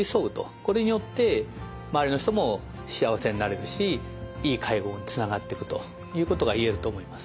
これによって周りの人も幸せになれるしいい介護につながっていくということが言えると思います。